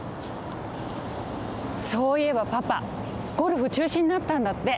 そういえばパパゴルフちゅうしになったんだって。